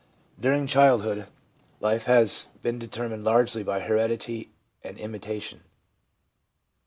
During child hood, life has been determined largely by heredity and imitation.